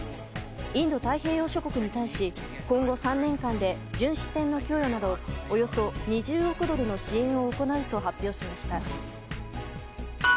インド太平洋諸国に対し今後３年間で巡視船の供与などおよそ２０億ドルの支援を行うと発表しました。